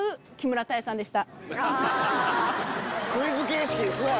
クイズ形式にすな！